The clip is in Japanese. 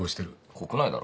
国内だろ。